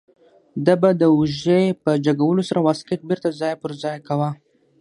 ده به د اوږې په جګولو سره واسکټ بیرته ځای پر ځای کاوه.